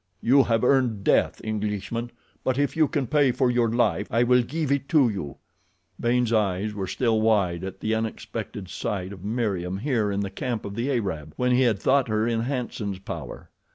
You have earned death, Englishman, but if you can pay for your life I will give it to you." Baynes' eyes were still wide at the unexpected sight of Meriem here in the camp of the Arab when he had thought her in Hanson's power.